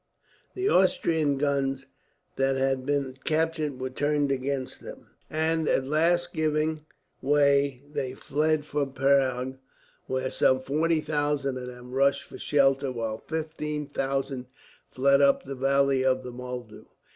The Austrian guns that had been captured were turned against them and, at last giving way they fled for Prague, where some 40,000 of them rushed for shelter, while 15,000 fled up the valley of the Moldau.